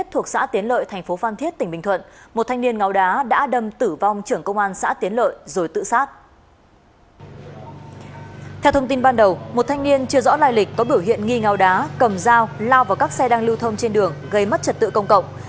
theo thông tin ban đầu một thanh niên chưa rõ lai lịch có biểu hiện nghi ngáo đá cầm dao lao vào các xe đang lưu thông trên đường gây mất trật tự công cộng